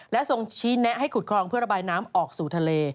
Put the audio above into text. และทรงชี้แนะให้ขุดคลองเพื่อระบายน้ำออกสู่ทะเล